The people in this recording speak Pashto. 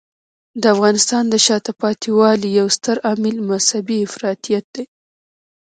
د افغانستان د شاته پاتې والي یو ستر عامل مذهبی افراطیت دی.